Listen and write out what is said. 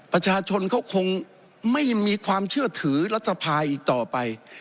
ประชาชนเขาคงไม่มีความเชื่อถือรัฐสภาอีกต่อไป